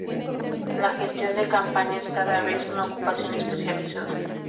La gestión de campaña es cada vez una ocupación especializada.